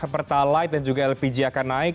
pertalite dan juga lpg akan naik